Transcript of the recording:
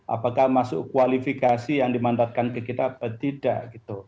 apakah masuk kualifikasi yang dimandatkan ke kita atau tidak gitu